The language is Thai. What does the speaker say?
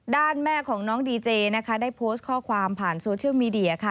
แม่ของน้องดีเจนะคะได้โพสต์ข้อความผ่านโซเชียลมีเดียค่ะ